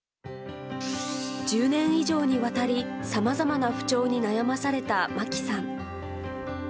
１０年以上にわたり、さまざまな不調に悩まされたまきさん。